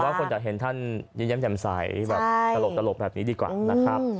ผมว่าคนจะเห็นท่านแย้มใสแบบตลกแบบนี้ดีกว่านะครับ